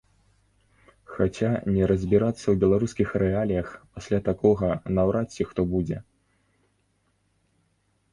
Хаця не разбірацца ў беларускіх рэаліях пасля такога наўрад ці хто будзе.